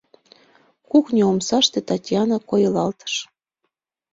Кухньо омсаште Татьяна койылалтыш.